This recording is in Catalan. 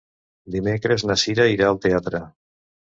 Dimecres na Cira irà al teatre.